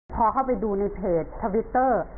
พอเข้าไปดูในเพจทวิตเตอร์